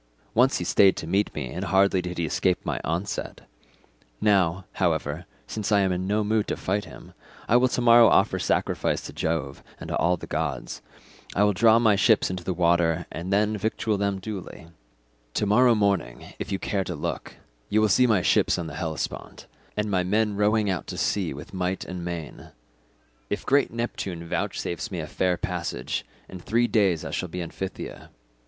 Once he stayed to meet me and hardly did he escape my onset: now, however, since I am in no mood to fight him, I will to morrow offer sacrifice to Jove and to all the gods; I will draw my ships into the water and then victual them duly; to morrow morning, if you care to look, you will see my ships on the Hellespont, and my men rowing out to sea with might and main. If great Neptune vouchsafes me a fair passage, in three days I shall be in Phthia.